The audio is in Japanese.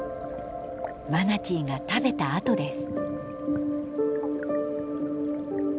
マナティーが食べた跡です。